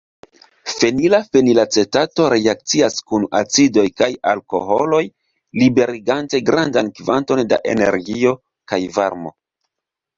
Fenila fenilacetato reakcias kun acidoj kaj alkoholoj liberigante grandan kvanton da energio kaj varmo.